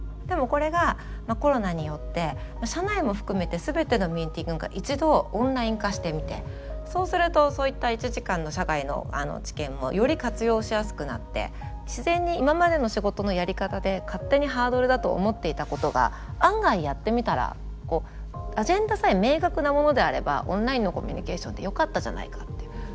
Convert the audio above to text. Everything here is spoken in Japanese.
でもこれがコロナによって社内も含めて全てのミーティングが一度オンライン化してみてそうするとそういった１時間の社外の知見もより活用しやすくなって自然に今までの仕事のやり方で勝手にハードルだと思っていたことが案外やってみたらアジェンダさえ明確なものであればオンラインのコミュニケーションでよかったじゃないかっていう。